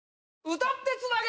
歌ってつなげ！